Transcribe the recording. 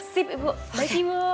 siap ibu terima kasih bu